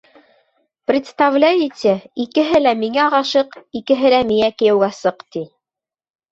Представляете, икеһе лә миңә ғашиҡ, икеһе лә миңә кейәүгә сыҡ, ти.